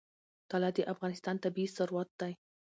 طلا د افغانستان طبعي ثروت دی.